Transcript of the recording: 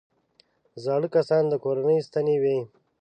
زاړه کسان د کورنۍ ستنې وي